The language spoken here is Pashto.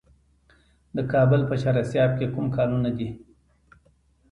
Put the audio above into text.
د کابل په چهار اسیاب کې کوم کانونه دي؟